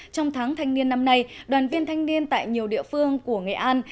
trong tháng thanh niên năm nay đoàn viên thanh niên tại nhiều địa phương của nghệ an